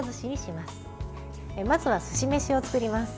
まずは、すし飯を作ります。